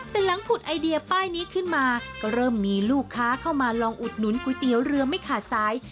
แต่หลังผุดไอเดียป้ายนี้ขึ้นมาก็เริ่มมีลูกค้าเข้ามาลองอุดหนุนก๋วยเตี๋ยวเรือไม่ขาดสาย